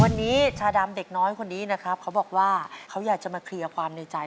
วันนี้ชาดำเด็กน้อยคนนี้นะครับเขาบอกว่าเขาอยากจะมาเคลียร์ความในใจ